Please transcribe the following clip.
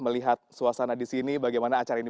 melihat suasana disini bagaimana acara ini